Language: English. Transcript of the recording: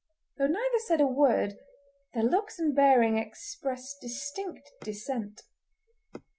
Though neither said a word their looks and bearing expressed distinct dissent.